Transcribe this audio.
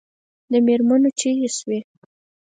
د مېرمنو چیغې شوې.